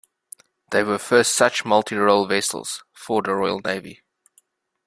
They were first such 'multi role' vessels for the Royal Navy.